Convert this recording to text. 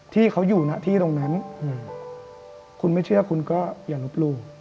ที่เขาอยู่หน้าที่ตรงนั้นคุณไม่เชื่อคุณก็อย่าลบหลู่